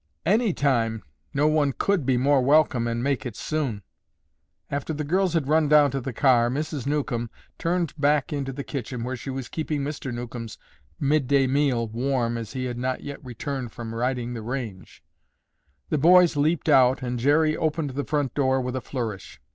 "Any time, no one could be more welcome, and make it soon." After the girls had run down to the car, Mrs. Newcomb turned back into the kitchen where she was keeping Mr. Newcomb's mid day meal warm as he had not yet returned from riding the range. The boys leaped out and Jerry opened the front door with a flourish.